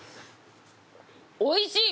おいしい！